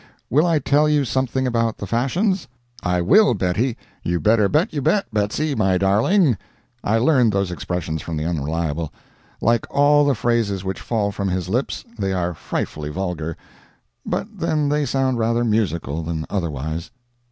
Will I tell you something about the fashions? I will, Bettie—you better bet you bet, Betsey, my darling. I learned those expressions from the Unreliable; like all the phrases which fall from his lips, they are frightfully vulgar—but then they sound rather musical than otherwise.